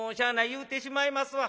言うてしまいますわ。